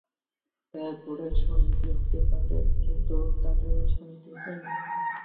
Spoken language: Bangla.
দায়ে পড়ে সন্ধি হতে পারে, কিন্তু তাতে শান্তি হয় না।